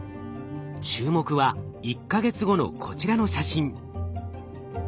注目は１か月後のこちらの写真。